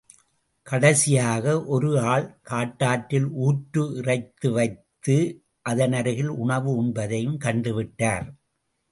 கடைசியாக ஒரு ஆள் காட்டாற்றில் ஊற்று இறைத்துவைத்து அதனருகில் உணவு உண்பதையும் கண்டுவிட்டார்.